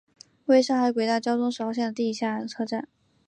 为上海轨道交通十号线的地下车站。